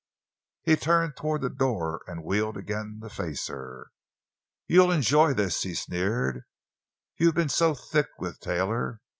He turned toward the door and wheeled again to face her. "You'll enjoy this," he sneered; "you've been so thick with Taylor.